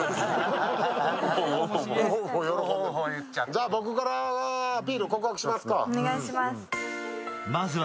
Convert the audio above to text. じゃあ、僕からアピール、告白しますか。